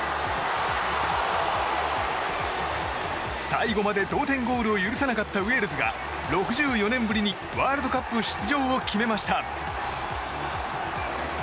最後まで同点ゴールを許さなかったウェールズが６４年ぶりに、ワールドカップ出場を決めました。